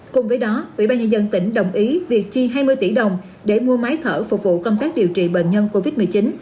cùng với đó ubnd tỉnh đồng ý việc chi hai mươi tỷ đồng để mua máy thở phục vụ công tác điều trị bệnh nhân covid một mươi chín